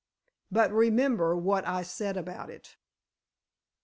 But, remember what I said about it."